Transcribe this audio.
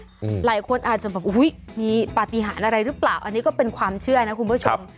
หลายคนอาจจะแบบอุ้ยมีปฏิหารอะไรหรือเปล่าอันนี้ก็เป็นความเชื่อนะคุณผู้ชม